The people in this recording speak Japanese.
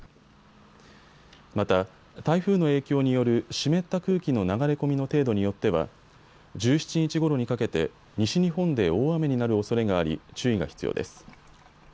また、台風の影響による湿った空気の流れ込みの程度によっては１７日ごろにかけて西日本で大雨になるおそれがあり注意が必要です。